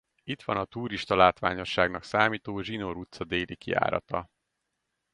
Itt van a turistalátványosságnak számító Zsinór utca déli kijárata.